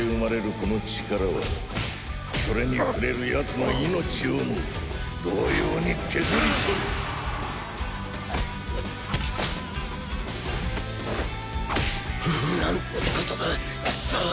この力はそれに触れるヤツの命をも同様に削りとるなんてことだクソ。